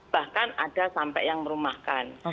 bahkan ada sampai yang merumahkan